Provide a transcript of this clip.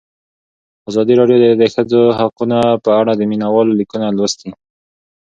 ازادي راډیو د د ښځو حقونه په اړه د مینه والو لیکونه لوستي.